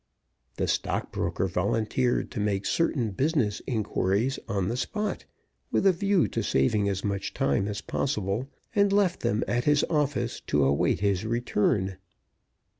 The stock broker volunteered to make certain business inquiries on the spot, with a view to saving as much time as possible, and left them at his office to await his return.